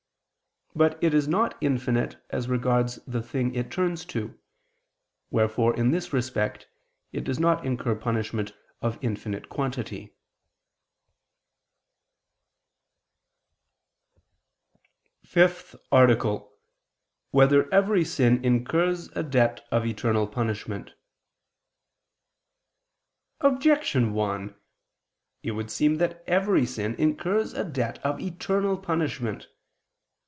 But it is not infinite as regards the thing it turns to; wherefore, in this respect, it does not incur punishment of infinite quantity. ________________________ FIFTH ARTICLE [I II, Q. 87, Art. 5] Whether Every Sin Incurs a Debt of Eternal Punishment? Objection 1: It would seem that every sin incurs a debt of eternal punishment.